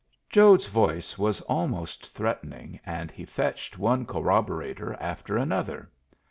Jode's voice was almost threatening, and he fetched one corroborator after another.